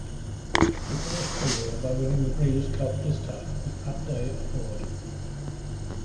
She finished her year by winning the Breeders' Cup Distaff with Pat Day aboard.